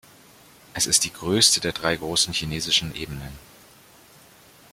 Es ist die größte der drei großen chinesischen Ebenen.